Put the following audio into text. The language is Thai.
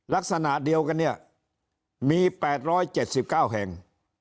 ลักษณะเดียวกันเนี่ยมีแปดร้อยเจ็ดสิบเก้าแห่ง